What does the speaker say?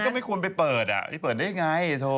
แต่มันก็ไม่ควรไปเปิดอ่ะไปเปิดได้ยังไงโถ